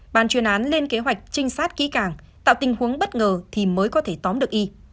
bàn chuyển án lên kế hoạch trinh sát ký cảng tạo tình huống bất ngờ thì mới có thể tóm được y